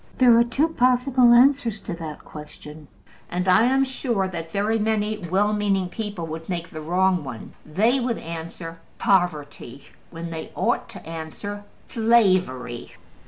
There are two possible answers to that question, and I am sure that very many well meaning people would make the wrong one. They would answer POVERTY, when they ought to answer SLAVERY.